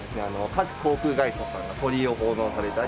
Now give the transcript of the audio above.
各航空会社さんが鳥居を奉納されたり。